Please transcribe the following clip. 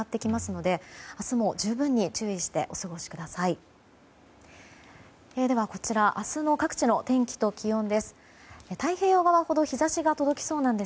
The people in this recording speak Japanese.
では、明日の各地の天気と気温です。